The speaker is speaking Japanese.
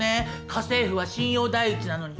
家政婦は信用第一なのに。